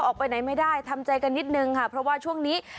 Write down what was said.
ออกไปไหนไม่ได้ทำใจกันนิดนึงค่ะเพราะว่าช่วงนี้